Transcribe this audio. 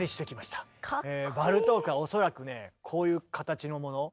バルトークは恐らくねこういう形のものを持って。